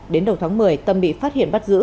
đến đầu tháng một mươi tâm bị phát hiện bắt giữ